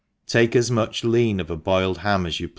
TAKE as much lean of a boiled ham as you.